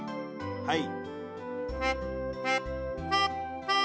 はい！